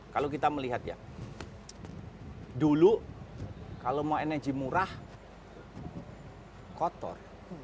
kalau kita melihat ya dulu kalau mau energi murah kotor